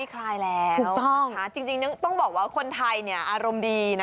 คลายแล้วถูกต้องค่ะจริงต้องบอกว่าคนไทยเนี่ยอารมณ์ดีนะ